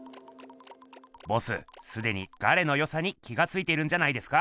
ボスすでにガレのよさに気がついているんじゃないですか？